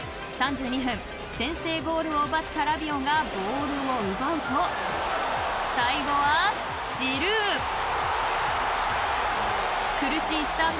３２分、先制ゴールを奪ったラビオがボールを奪うと最後はジルー。